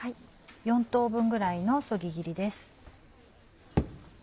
４等分ぐらいのそぎ切りです。